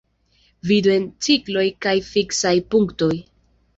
Vidu en cikloj kaj fiksaj punktoj.